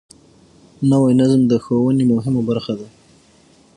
نوی نظم د ښوونې مهمه برخه ده